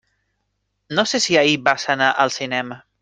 No sé si ahir vas anar al cinema.